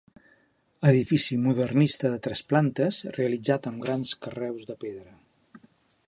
Edifici modernista de tres plantes, realitzat amb grans carreus de pedra.